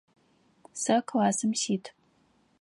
Сэ классым сит.